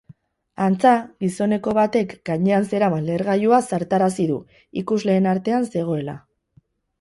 Antza, gizonezko batek gainean zeraman lehergailua zartarazi du, ikusleen artean zegoela.